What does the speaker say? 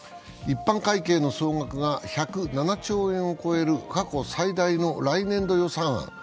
一般会計の総額が１０７兆円を超える過去最大の来年度予算案。